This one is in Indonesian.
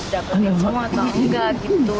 dapatkan semua atau nggak gitu